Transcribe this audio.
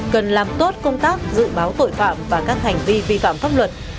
cần làm tốt công tác dự báo tội phạm và các hành vi vi phạm pháp luật